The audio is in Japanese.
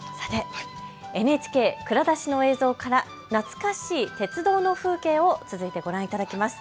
ＮＨＫ蔵出しの映像から懐かしい鉄道の風景を続いてご覧いただきます。